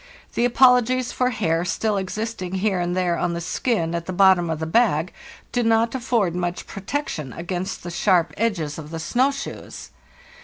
The apologies for hair still ex isting here and there on the skin at the bottom of the bag do not afford much protection against the sharp edges of the snow shoes.